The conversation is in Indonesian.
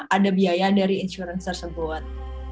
ada biaya dari insurance tersebut